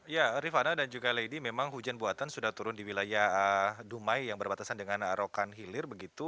ya rifana dan juga lady memang hujan buatan sudah turun di wilayah dumai yang berbatasan dengan arokan hilir begitu